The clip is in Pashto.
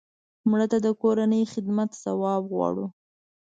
مړه ته د کورنۍ خدمت ثواب غواړو